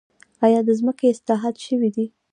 آیا د ځمکې اصلاحات شوي دي؟